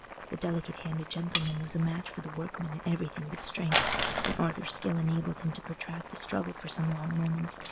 The delicate handed gentleman was a match for the workman in everything but strength, and Arthur's skill enabled him to protract the struggle for some long moments.